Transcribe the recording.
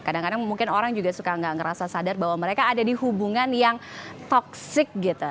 kadang kadang mungkin orang juga suka gak ngerasa sadar bahwa mereka ada di hubungan yang toxic gitu